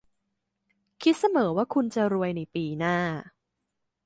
คิดเสมอว่าคุณจะรวยในปีหน้า